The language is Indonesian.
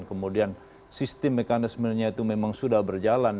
kemudian sistem mekanismenya itu memang sudah berjalan